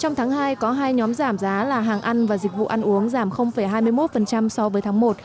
trong tháng hai có hai nhóm giảm giá là hàng ăn và dịch vụ ăn uống giảm hai mươi một so với tháng một